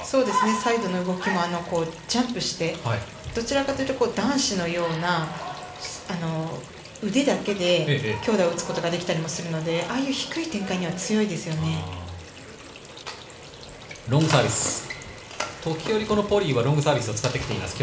サイドの動きもジャンプして、どちらかというと男子のような腕だけで強打を打つことができたりもするのでああいう低い展開には強いですよね。